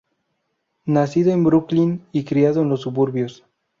Nacido en Brooklyn y criado en los suburbios.